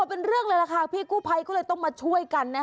เป็นเรื่องเลยล่ะค่ะพี่กู้ภัยก็เลยต้องมาช่วยกันนะ